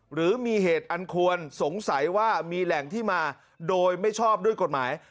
หรือมีเหตุอันควรสงสัยว่ามีแหล่งที่มาโดยไม่ชอบด้วยกฎหมาย